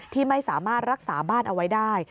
ที่ไม่สามารถรักษาบ้านเอาไว้ได้